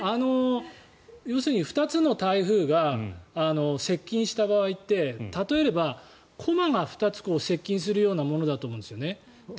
要するに２つの台風が接近した場合って例えれば駒が２つ接近するようなものだと思うんですね。